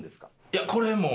いやこれも。